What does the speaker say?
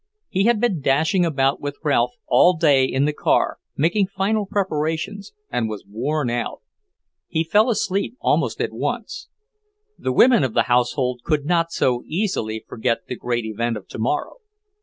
He had been dashing about with Ralph all day in the car, making final preparations, and was worn out. He fell asleep almost at once. The women of the household could not so easily forget the great event of tomorrow.